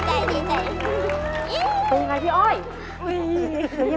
ตรงนี้ไง